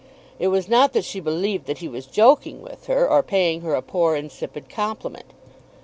It was not that she believed that he was joking with her or paying her a poor insipid compliment.